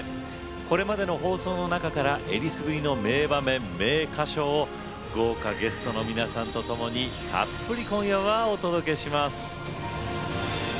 これまでの放送の中からえりすぐりの名場面名歌唱を豪華ゲストの皆さんとともにたっぷり今夜はお届けします。